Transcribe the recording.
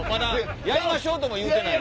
やりましょうとも言うてない。